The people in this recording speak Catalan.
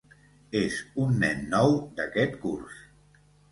És un nen nou d'aquest curs.